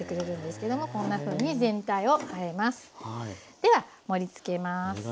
では盛りつけます。